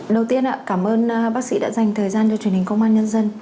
đầu tiên cảm ơn bác sĩ đã dành thời gian cho truyền hình công an nhân dân